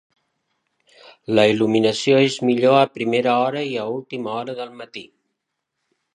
La il·luminació és millor a primera hora i a última hora del matí.